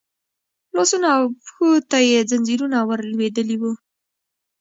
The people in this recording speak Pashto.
لاسونو او پښو ته يې ځنځيرونه ور لوېدلي وو.